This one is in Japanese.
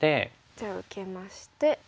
じゃあ受けまして。